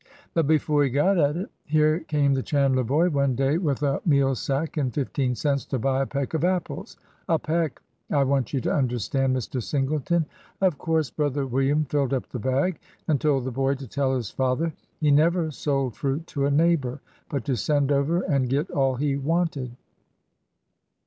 But before he got at it, here came the Chandler boy one day with a meal 4 50 ORDER NO. 11 sack and fifteen cents to buy a peck of apples— a peck, I want you to understand, Mr. Singleton. Of course bro ther William filled up the bag, and told the boy to tell his father he never sold fruit to a neighbor, but to send over and get all he wanted.